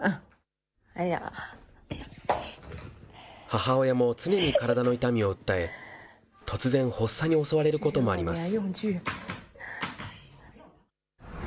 母親も、常に体の痛みを訴え、突然発作に襲われることもあります。